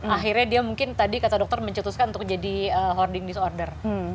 akhirnya dia mungkin tadi kata dokter mencetuskan untuk jadi hoarding disorder